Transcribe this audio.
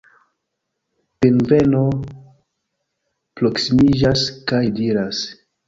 Pingveno proksimiĝas kaj diras: